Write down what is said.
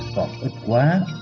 còn ít quá